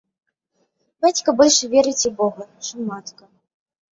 Бацька больш верыць у бога, чым матка.